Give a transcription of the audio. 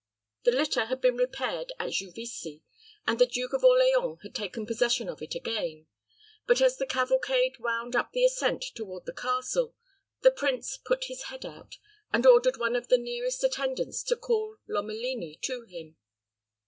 The litter had been repaired at Juvisy, and the Duke of Orleans had taken possession of it again; but as the cavalcade wound up the ascent toward the castle, the prince put his head out, and ordered one of the nearest attendants to call Lomelini to him.